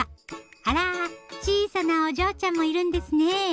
あら小さなお嬢ちゃんもいるんですね。